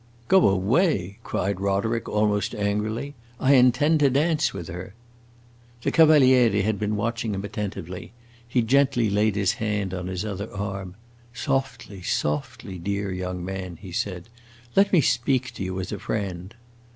"Go away?" cried Roderick, almost angrily. "I intend to dance with her!" The Cavaliere had been watching him attentively; he gently laid his hand on his other arm. "Softly, softly, dear young man," he said. "Let me speak to you as a friend."